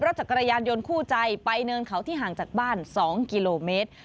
จักรยานยนต์คู่ใจไปเนินเขาที่ห่างจากบ้าน๒กิโลเมตร